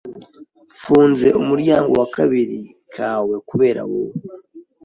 Mfunze umuryango wakabari kawe kubera wowe